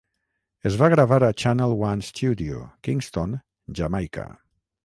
Es va gravar a Channel One Studio, Kingston, Jamaica.